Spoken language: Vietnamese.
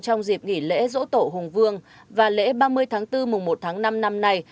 trong dịp nghỉ lễ dỗ tổ hùng vương và lễ ba mươi tháng bốn mùng một tháng năm năm nay